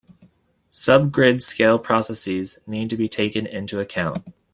Sub-grid scale processes need to be taken into account.